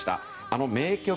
あの名曲